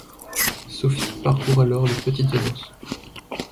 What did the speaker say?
Sophie parcourt alors les petites annonces.